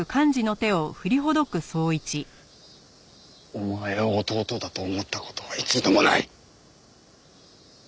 お前を弟だと思った事は一度もない！